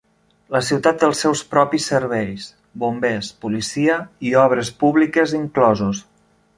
La ciutat té els seus propis serveis, bombers, policia i obres públiques inclosos.